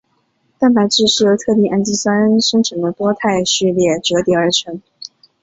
蛋白质是由特定氨基酸生成的多肽序列折叠而成。